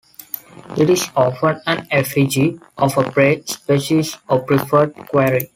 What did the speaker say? It is often an effigy of a prey species or preferred quarry.